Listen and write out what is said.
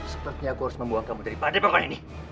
sepertinya aku harus membuang kamu dari pademokan ini